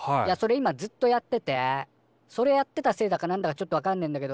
今ずっとやっててそれやってたせいだかなんだかちょっとわかんねえんだけど